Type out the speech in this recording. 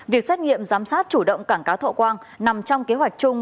việc xét nghiệm giám sát chủ động cảng cá thọ quang nằm trong kế hoạch chung